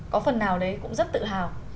có phần nào đấy cũng rất tự hào